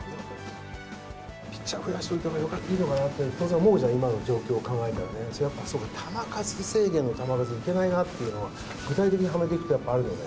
ピッチャー増やしておいたほうがいいのかなと、当然思うじゃん、今の状況を考えたらね、球数制限の球数いけないなっていうのは、具体的にはめていくとやっぱりある。